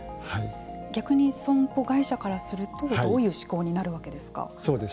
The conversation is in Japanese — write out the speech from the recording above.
逆に損保会社からするとどういう思考になるわけですか。